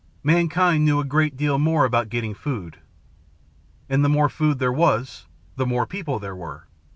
Mankind knew a great deal more about getting food. And the more food there was, the more people there were.